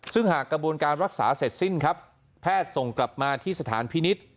ซึ่งหากกระบวนการรักษาเสร็จสิ้นครับแพทย์ส่งกลับมาที่สถานพินิษฐ์